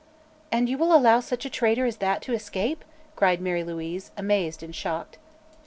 "And you will allow such a traitor as that to escape!" cried Mary Louise, amazed and shocked.